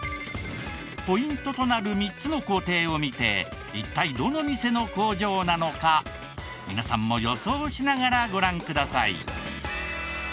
ポイントとなる３つの工程を見て一体どの店の工場なのか皆さんも予想しながらご覧ください。